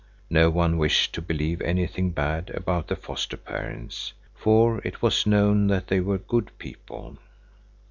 No one wished to believe anything bad about the foster parents, for it was known that they were good people.